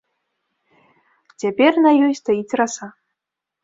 Цяпер на ёй стаіць раса.